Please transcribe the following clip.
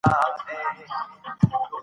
ماته پر څانگو د غوټیو شپې منظوری نه وې